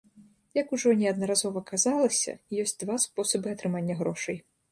Як ужо неаднаразова казалася, ёсць два спосабы атрымання грошай.